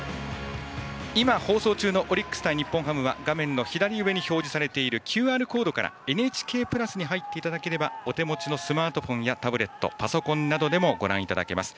今放送中のオリックス対日本ハムは画面の左上に表示されているＱＲコードから「ＮＨＫプラス」に入っていただければお手持ちのスマートフォンやタブレットパソコンでもご覧いただけます。